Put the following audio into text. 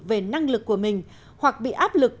về năng lực của mình hoặc bị áp lực